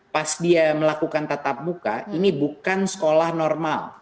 pas dia melakukan tatap muka ini bukan sekolah normal